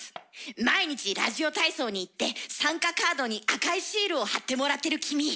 毎日ラジオ体操に行って参加カードに赤いシールを貼ってもらってる君！